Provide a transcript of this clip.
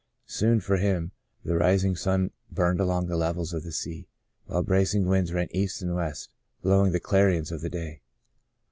Soon, for him, the rising sun burned along the levels of the sea, while bracing winds ran east and west, blowing the clarions of the day.